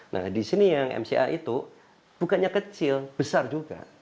nah di sini yang mca itu bukannya kecil besar juga